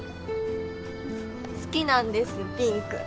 好きなんですピンク。